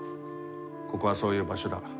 ここはそういう場所だ。